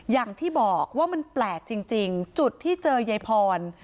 อย่างที่บอกว่ามันแปลกจริงจุดที่เจอยายพร